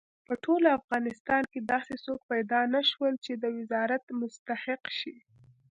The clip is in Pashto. په ټول افغانستان کې داسې څوک پیدا نه شو چې د وزارت مستحق شي.